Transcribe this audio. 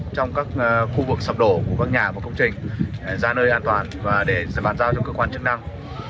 trong các khu vực sập đổ của các nhà và công trình ra nơi an toàn và để bàn giao cho cơ quan chức năng